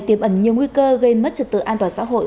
tiềm ẩn nhiều nguy cơ gây mất trật tự an toàn xã hội